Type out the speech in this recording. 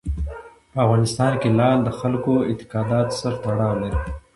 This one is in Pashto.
په افغانستان کې لعل د خلکو د اعتقاداتو سره تړاو لري.